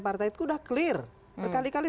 partai itu udah clear berkali kali